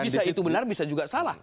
bisa itu benar bisa juga salah